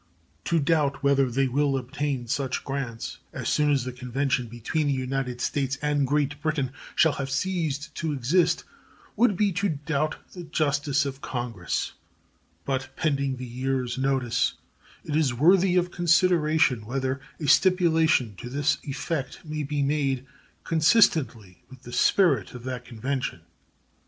To doubt whether they will obtain such grants as soon as the convention between the United States and Great Britain shall have ceased to exist would be to doubt the justice of Congress; but, pending the year's notice, it is worthy of consideration whether a stipulation to this effect may be made consistently with the spirit of that convention.